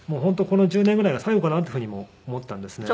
この１０年ぐらいが最後かなっていうふうにも思ったんですね。